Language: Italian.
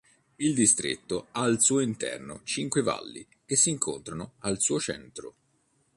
Il distretto ha al suo interno cinque valli che si incontrano al suo centro.